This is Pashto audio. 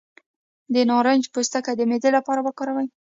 د نارنج پوستکی د معدې لپاره وکاروئ